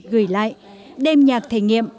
gửi lại đêm nhạc thầy nghiệm